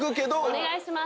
お願いします。